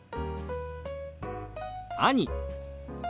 「兄」。